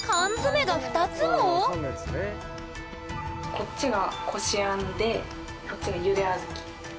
こっちがこしあんでこっちがゆであずき。